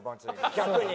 逆に。